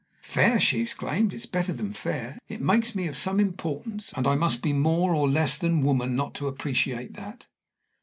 "Fair!" she exclaimed; "it's better than fair; it makes me of some importance; and I must be more or less than woman not to appreciate that."